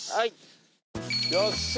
よっしゃ！